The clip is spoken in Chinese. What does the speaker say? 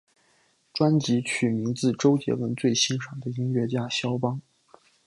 专辑取名自周杰伦最欣赏的音乐家萧邦。